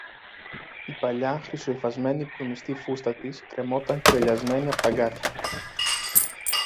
Η παλιά χρυσοϋφασμένη πλουμιστή φούστα της κρέμονταν κουρελιασμένη από τ' αγκάθια